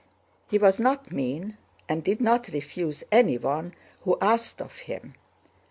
He was not mean, and did not refuse anyone who asked of him.